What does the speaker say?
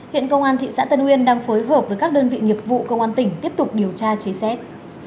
hiện công an thị xã tân uyên đang phối hợp với các đơn vị nhiệp vụ công an tỉnh tiếp tục điều tra chế xét